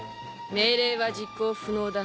命令は実行不能だ。